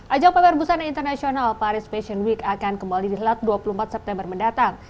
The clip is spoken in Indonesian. ajang pamer busana internasional paris fashion week akan kembali dihelat dua puluh empat september mendatang